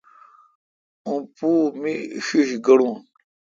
اوں پو می ݭیݭ گڑون۔